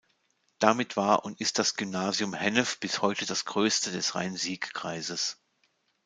Damit war und ist das Gymnasium Hennef bis heute das größte des Rhein-Sieg-Kreises.